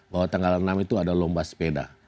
bahwa tanggal enam itu ada lomba sepeda